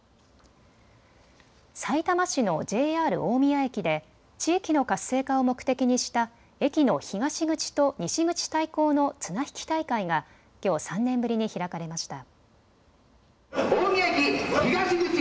さいたま市のＪＲ大宮駅で地域の活性化を目的にした駅の東口と西口対抗の綱引き大会がきょう３年ぶりに開かれました。